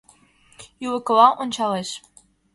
Ӱлыкыла ончалеш...